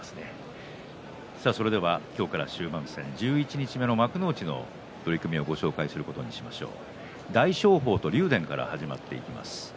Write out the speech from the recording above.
今日から終盤戦十一日目の幕内の取組をご紹介することにしましょう。